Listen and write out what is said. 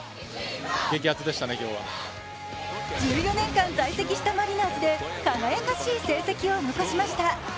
１４年間在籍したマリナーズで輝かしい成績を残しました。